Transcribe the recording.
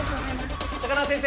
高輪先生！